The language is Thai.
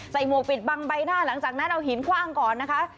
หมวกปิดบังใบหน้าหลังจากนั้นเอาหินคว่างก่อนนะคะ